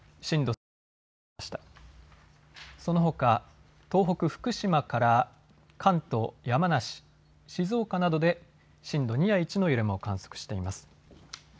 そのほか東北、福島から関東、山梨、静岡などで震度２や１の揺れも観測しています。